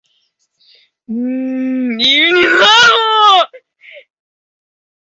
Edificio de culto de pequeñas dimensiones.